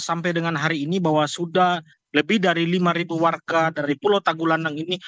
sampai dengan hari ini bahwa sudah lebih dari lima warga dari pulau tagulandang ini